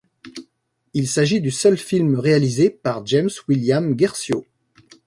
Il s'agit du seul film réalisé par James William Guercio.